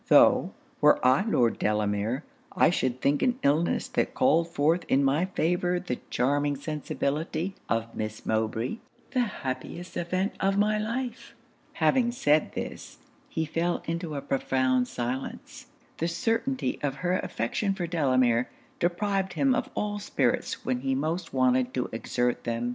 'Tho', were I Lord Delamere, I should think an illness that called forth in my favour the charming sensibility of Miss Mowbray, the happiest event of my life.' Having said this, he fell into a profound silence. The certainty of her affection for Delamere, deprived him of all spirits when he most wanted to exert them.